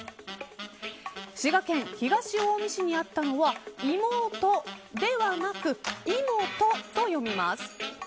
滋賀県東近江市にあったのはいもうとではなく、いもと、と読みます。